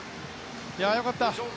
よかった！